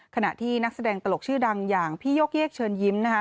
ขณะที่นักแสดงตลกชื่อดังอย่างพี่โยกเยกเชิญยิ้มนะคะ